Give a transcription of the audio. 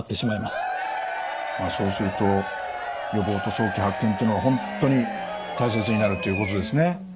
まあそうすると予防と早期発見っていうのは本当に大切になるっていうことですね。